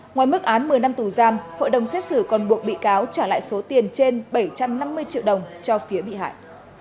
ngoài mức án một mươi năm tù giam hội đồng xét xử còn buộc bị cáo trả lại số tiền trên bảy trăm năm mươi triệu đồng cho phía bị hại